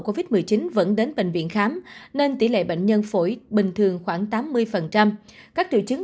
covid một mươi chín vẫn đến bệnh viện khám nên tỷ lệ bệnh nhân phổi bình thường khoảng tám mươi các triệu chứng